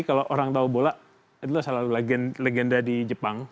kalau orang tahu bola itu selalu legenda di jepang